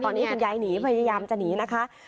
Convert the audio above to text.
ตอนนี้คุณยายหนีพยายามจะหนีนะคะ